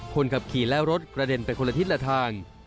คนขับขี่และรถกระเด็นไปคนละทิศละทาง